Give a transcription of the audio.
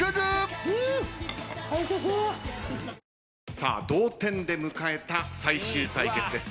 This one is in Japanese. さあ同点で迎えた最終対決です。